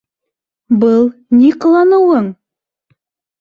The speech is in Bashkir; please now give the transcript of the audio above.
Был... ни ҡыланыуың?!